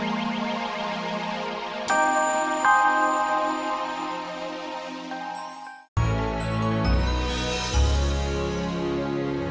dia nggak mau kamu jadi anak yang tidak tahu terima kasih